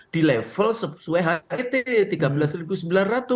di level sesuai het rp tiga belas sembilan ratus